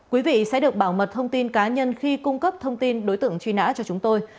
quý vị sẽ được bảo mật thông tin cá nhân khi cung cấp thông tin đối tượng truy nã cho chúng tôi